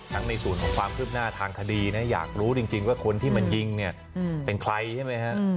ทั้งในสูญของความคลึกหน้าทางคดีอยากรู้จริงว่าคนที่มันยิงเป็นใครใช่ไหมฮะ